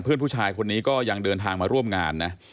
เพื่อนผู้ชายคนนี้ก็ยังเดินทางมาร่วมงานนะ